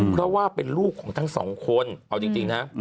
เพราะว่าเป็นลูกของทั้งสองคนเอาจริงนะ